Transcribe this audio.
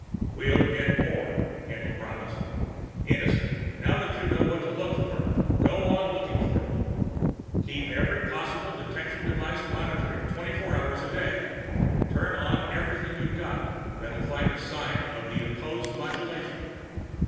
"We'll get more," Haendl promised. "Innison, now that you know what to look for, go on looking for it. Keep every possible detection device monitored twenty four hours a day. Turn on everything you've got that'll find a sign of imposed modulation.